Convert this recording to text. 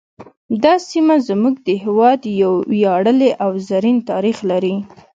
دا سیمه زموږ د هیواد یو ویاړلی او زرین تاریخ لري